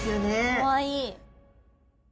かわいい。